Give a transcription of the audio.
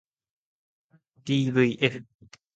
ｄｖｆ